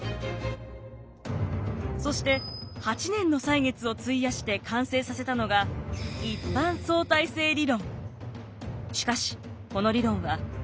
そして８年の歳月を費やして完成させたのが一般相対性理論。